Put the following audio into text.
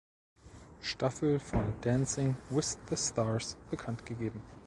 Staffel von "Dancing with the Stars" bekannt gegeben.